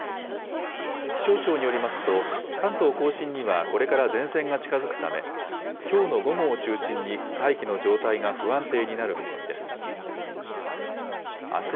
気象庁によりますと、関東甲信にはこれから前線が近づくため、きょうの午後を中心に大気の状態が不安定になる見込みです。